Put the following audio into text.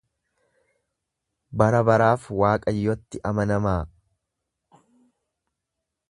Barabaraaf Waaqayyotti amanamaa.